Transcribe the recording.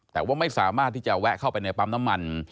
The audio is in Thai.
แต่ว่าไม่สามารถที่จะแวะเข้าไปในปั๊มน้ำมัน